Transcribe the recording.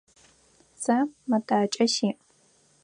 Сэ мэтакӏэ сиӏ.